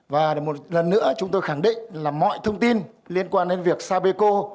và một lần nữa chúng tôi khẳng định là mọi thông tin liên quan đến việc sapeco